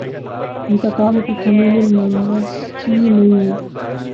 انتقام کے خمیر میںخیر نہیں ہے۔